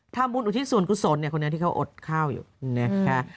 อุทิศส่วนกุศลเนี่ยคนนี้ที่เขาอดข้าวอยู่นะคะ